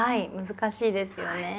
難しいですよね。